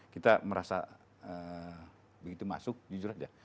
kita merasa begitu masuk jujur aja